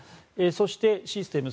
そしてシステム